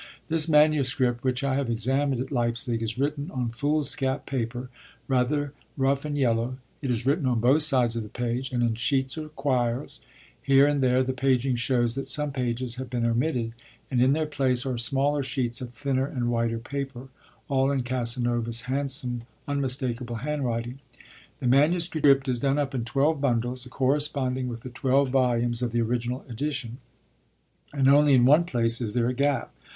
This manuscript, which I have examined at Leipzig, is written on foolscap paper, rather rough and yellow; it is written on both sides of the page, and in sheets or quires; here and there the paging shows that some pages have been omitted, and in their place are smaller sheets of thinner and whiter paper, all in Casanova's handsome, unmistakable handwriting. The manuscript is done up in twelve bundles, corresponding with the twelve volumes of the original edition; and only in one place is there a gap.